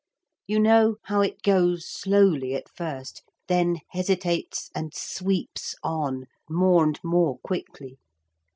You know how it goes slowly at first, then hesitates and sweeps on more and more quickly.